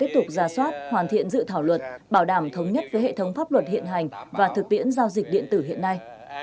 tiếp tục ra soát hoàn thiện dự thảo luật bảo đảm thống nhất với hệ thống pháp luật hiện hành và thực tiễn giao dịch điện tử hiện nay